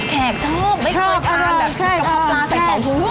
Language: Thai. แขกชอบไม่เคยทานกระพะปลาใส่ของผู้